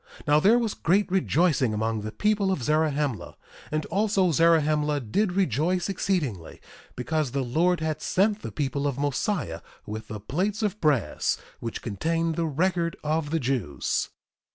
Now, there was great rejoicing among the people of Zarahemla; and also Zarahemla did rejoice exceedingly, because the Lord had sent the people of Mosiah with the plates of brass which contained the record of the Jews.